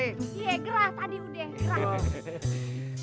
iya gerak tadi udah